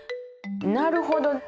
なるほど。